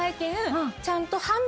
ちゃんと。